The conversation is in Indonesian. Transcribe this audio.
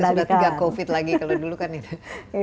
karena kita sudah tiga covid lagi kalau dulu kan itu